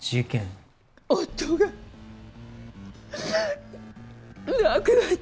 夫が亡くなって。